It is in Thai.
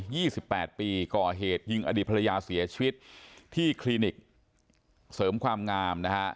ี่สิบแปดปีก่อเหตุยิงอดีตภรรยาเสียชีวิตที่คลินิกเสริมความงามนะฮะ